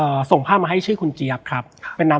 และวันนี้แขกรับเชิญที่จะมาเชิญที่เรา